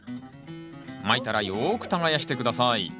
まいたらよく耕して下さい。